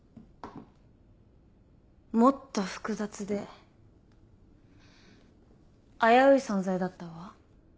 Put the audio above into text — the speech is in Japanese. もっと複雑で危うい存在だったわ。